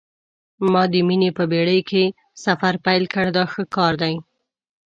ما د مینې په بېړۍ کې سفر پیل کړ دا ښه کار دی.